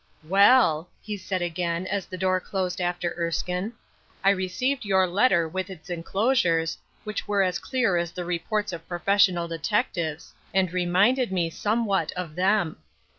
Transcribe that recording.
ELL," he said again, as the door closed after Erskine, " I received your letter with its inclosures, which were as clear as the reports of professional detectives, and reminded me some what of them.